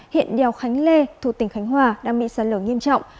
hiện đèo khánh lê thuộc tỉnh khánh hòa đang bị sạt lở nghiêm trọng